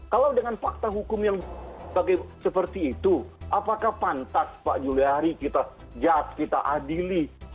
kalau dengan fakta hukum yang seperti itu apakah pantas pak juliari kita sejat kita adili